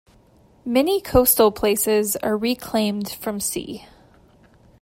Many coastal places are reclaimed from sea.